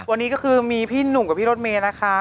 วันนี้ก็คือมีพี่หนุ่มกับพี่รถเมย์นะคะ